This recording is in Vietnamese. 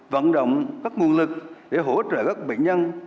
vận động các nguồn lực để hỗ trợ các bệnh nhân